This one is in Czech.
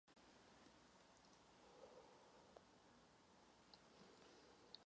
Chybí další šťastný objev.